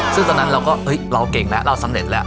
ซึ่งตอนนั้นเราก็เราเก่งแล้วเราสำเร็จแล้ว